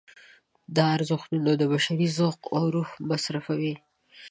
دا ارزښتونه د بشر ذوق او روح مصرفوي.